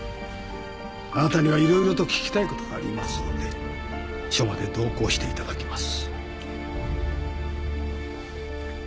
あなたには色々と聞きたいことがありますので署まで同行していただきます。